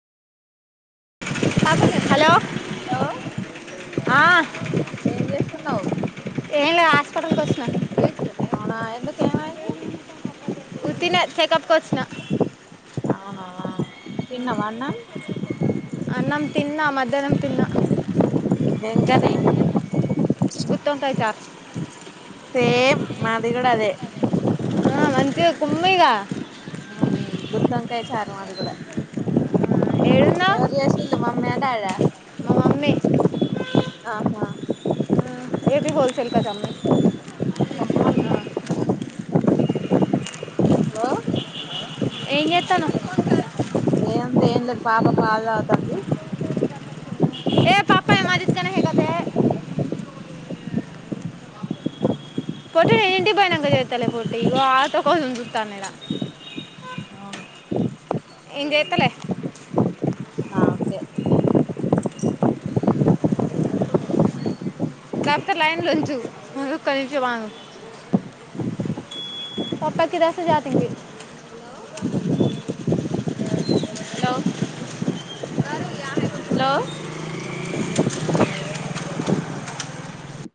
hello hello ఆ ఏం చేస్తున్నవ్ ఏం లా హాస్పిటల్కి వచ్చిన అవునా ఎందుకు ఏమైంది ఉత్తిన చెకప్కి వచ్చిన అనా ఎన్న వన్నం అన్నం తిన్నా మధ్యాహ్నం తిన్నా ఎంకనీ గుత్త ఉంతాయి చార్ సేమ్ మదిగాడ అదే ఆ మంచి కుమ్మగా బుధంకాయ చారు అది కూడా ఏడున్నా ఎవలి అసి మమే ద అరా మా మమ్మీ ఆహా ఏది హల్సల్ క చమ్న్నా [inaudible] హలో ఏ ఎత్తాను ఏం లే పాపా పాాల అ తంది ఏ పాపాా ఏ మాజది కనా హ క త పట హిండి బయ నంగా చెతలే పట్టి ఇగ ఆ తకదుం సుత్తా నరా అవును ఏం సరేలే చేైతలే ఇ తబ్త ై లో చూ మ కంచ మన పప్పాకిద సజాతకి హలో హలో హలో [inaudible]